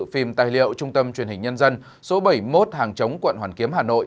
phim tài liệu trung tâm truyền hình nhân dân số bảy mươi một hàng chống quận hoàn kiếm hà nội